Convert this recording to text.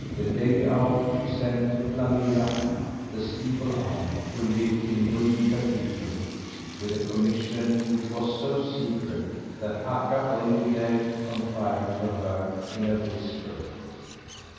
The lady owl she sent to Flammea, the steeple owl, who lived in Lund cathedral, with a commission which was so secret that Akka only dared to confide it to her in a whisper.